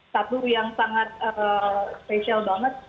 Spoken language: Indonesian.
satu yang sangat spesial banget